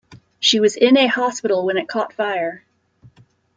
She was in a hospital when it caught fire.